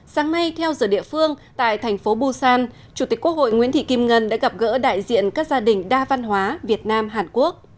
sáng nay theo giờ địa phương tại thành phố busan chủ tịch quốc hội nguyễn thị kim ngân đã gặp gỡ đại diện các gia đình đa văn hóa việt nam hàn quốc